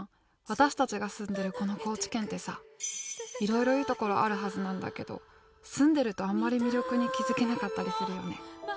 私たちが住んでるこの高知県ってさいろいろいいところあるはずなんだけど住んでるとあんまり魅力に気付けなかったりするよね。